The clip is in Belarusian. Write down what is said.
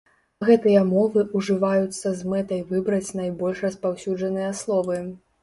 Гэтыя мовы ўжываюцца з мэтай выбраць найбольш распаўсюджаныя словы.